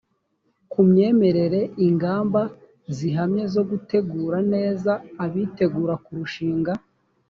ku myemerere ingamba zihamye zo gutegura neza abitegura kurushing